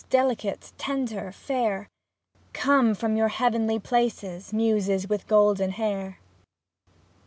Delicate, tender, fair ; Come from your heavenly places, Muses with golden hair.